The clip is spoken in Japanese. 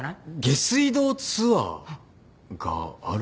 下水道ツアーがあるんですね。